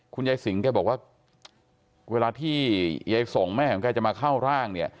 คุณยายสิงห์แกบอกว่าเวลาที่ยายส่งแม่ของแกจะมาเข้าร่างเนี่ย